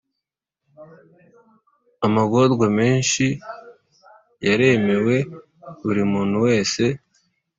Amagorwa menshi yaremewe buri muntu wese,